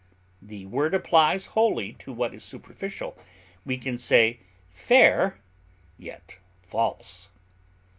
The word applies wholly to what is superficial; we can say "fair, yet false."